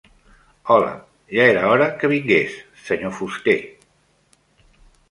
Hola, ja era hora que vingués, senyor fuster.